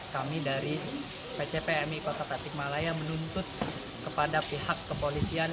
kami dari pcpmi kota tasikmalaya menuntut kepada pihak kepolisian